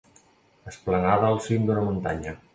Esplanada al cim d'una muntanya.